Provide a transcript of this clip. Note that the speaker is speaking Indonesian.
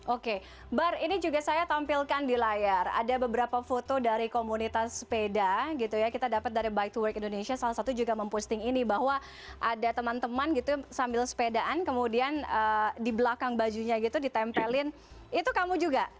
oke bar ini juga saya tampilkan di layar ada beberapa foto dari komunitas sepeda gitu ya kita dapat dari bike to work indonesia salah satu juga memposting ini bahwa ada teman teman gitu sambil sepedaan kemudian di belakang bajunya gitu ditempelin itu kamu juga